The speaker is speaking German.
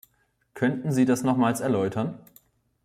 Könnten Sie das nochmals erläutern?